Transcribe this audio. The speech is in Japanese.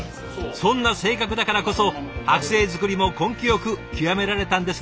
そんな性格だからこそ剥製作りも根気よく極められたんですね。